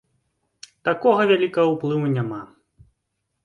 Такога вялікага ўплыву няма.